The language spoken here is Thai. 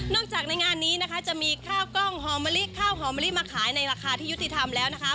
จากในงานนี้นะคะจะมีข้าวกล้องหอมะลิข้าวหอมะลิมาขายในราคาที่ยุติธรรมแล้วนะคะ